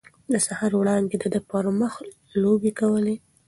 د سهار وړانګې د ده پر مخ لوبې کولې.